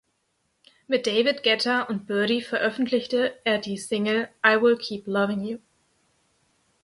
Mit David Guetta und Birdy veröffentlichte er die Single "I’ll Keep Loving You".